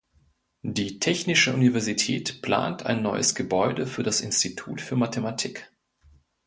Die Technische Universität plant ein neues Gebäude für das Institut für Mathematik.